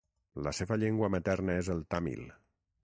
La seva llengua materna és el tàmil.